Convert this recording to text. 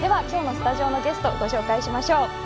きょうのスタジオのゲストご紹介しましょう。